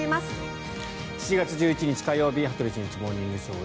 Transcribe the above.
７月１１日、火曜日「羽鳥慎一モーニングショー」。